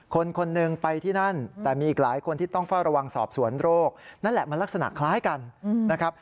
คนคนหนึ่งไปที่นั่นแต่มีอีกหลายคนที่ต้องเฝ้าระวังสอบสวนโรคนั่นแหละมันลักษณะคล้ายกันนะครับ